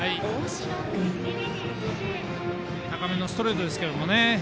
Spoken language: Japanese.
高めのストレートですけどね。